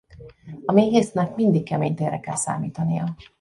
A méhésznek mindig kemény télre kell számítania.